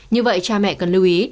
như vậy cha mẹ cần lưu ý